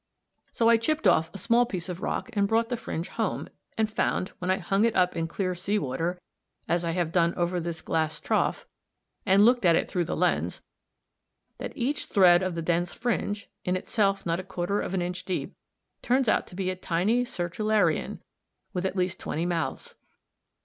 So I chipped off a small piece of rock and brought the fringe home, and found, when I hung it up in clear sea water as I have done over this glass trough (Fig. 67) and looked at it through the lens, that each thread of the dense fringe, in itself not a quarter of an inch deep, turns out to be a tiny sertularian with at least twenty mouths.